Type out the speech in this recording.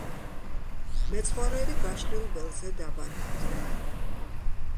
მეცხვარეები გაშლილ ველზე დაბანაკდნენ.